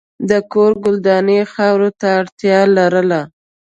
د کور ګلداني خاورې ته اړتیا لرله.